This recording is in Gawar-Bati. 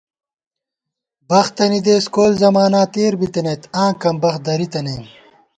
بختَنی دېس کول زماناتېر بِتنَئیت آں کمبخت دریتَنَئیم